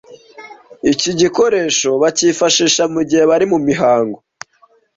iki gikoresho bakifashisha mu gihe bari mu mihango